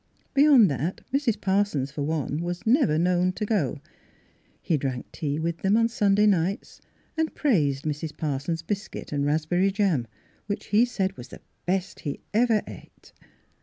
Beyond that Mrs. Parsons, for one, was never known to go. He drank tea with them on Sunday nights, and praised Mrs. Parson's biscuit and raspberry jam, which he said was the best he ever ate.